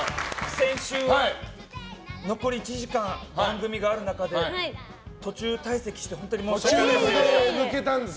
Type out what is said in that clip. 先週は、残り１時間番組がある中で途中退席して本当に申し訳ございませんでした。